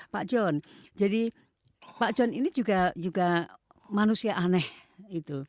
pak john jadi pak john ini juga manusia aneh gitu